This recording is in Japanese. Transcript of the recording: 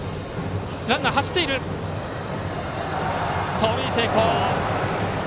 盗塁成功！